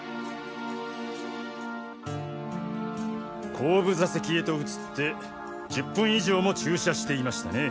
後部座席へと移って１０分以上も駐車していましたね。